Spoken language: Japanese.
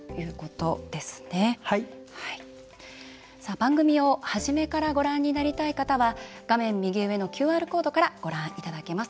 番組を最初からご覧になりたい方は画面右上のＱＲコードからご覧いただけます。